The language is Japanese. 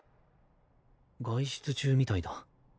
外出中みたいだ。